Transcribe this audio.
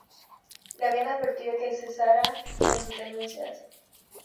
Le habían advertido que cesara con sus denuncias.